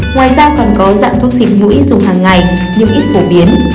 ngoài ra còn có dạng thuốc xịt mũi dùng hàng ngày nhưng ít phổ biến